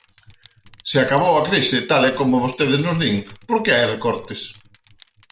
Se acabou a crise, tal e como vostedes nos din, ¿por que hai recortes?